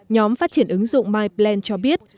nhóm phát triển ứng dụng myplan cho biết